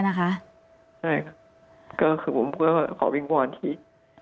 ใช่ค่ะก็คือผมก็ขอวิงวอนที่